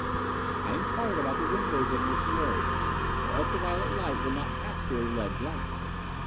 I inquired about the windows of your solarium, for ultra violet light will not pass through a lead glass.